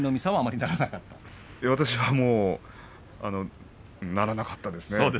私はならなかったですね。